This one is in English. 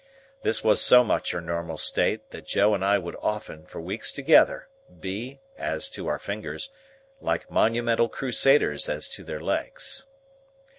This was so much her normal state, that Joe and I would often, for weeks together, be, as to our fingers, like monumental Crusaders as to their legs.